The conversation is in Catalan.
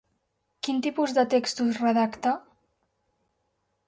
Quin tipus de textos redacta?